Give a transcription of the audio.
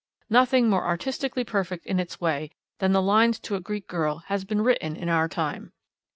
Nothing more artistically perfect in its way than the Lines to a Greek Girl has been written in our time.